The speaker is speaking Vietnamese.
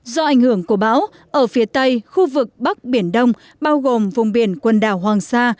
do ảnh hưởng của bão ở phía tây khu vực bắc biển đông bao gồm vùng biển quần đảo hoàng sa